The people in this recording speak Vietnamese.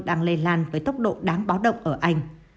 đang lây lan với tốc độ đáng báo động ở anh